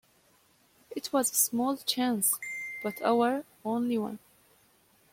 It was a small chance but our only one.